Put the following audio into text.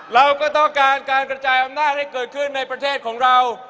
เราก็ต้องการการกระจายอำนาจให้เกิดขึ้นในประเทศของเรา